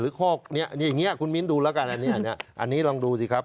หรือข้ออย่างนี้คุณมิ้นดูแล้วกันอันนี้ลองดูสิครับ